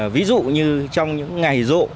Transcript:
ví dụ như trong những ngày rộ